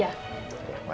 ya sudah ya